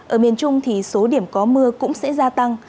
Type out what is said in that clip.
ở miền trung thì số điểm có mưa cũng sẽ gia tăng